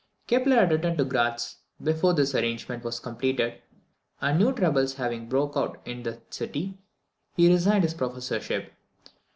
Kepler had returned to Gratz before this arrangement was completed, and new troubles having broke out in that city, he resigned his professorship.